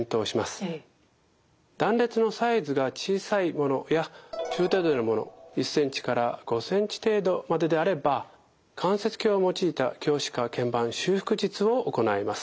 断裂のサイズが小さいものや中程度のもの１ｃｍから５ｃｍ程度までであれば関節鏡を用いた鏡視下けん板修復術を行います。